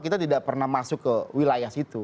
kita tidak pernah masuk ke wilayah situ